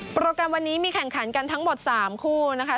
โปรแกรมวันนี้มีแข่งขันกันทั้งหมด๓คู่นะคะ